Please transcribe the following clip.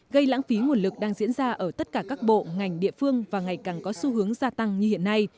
gây lãng phí nguồn lực đang diễn ra ở tất cả các bộ ngành địa phương và ngày càng có xu hướng gia tăng như hiện nay